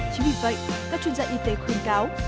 chính vì vậy các chuyên gia y tế khuyên cáo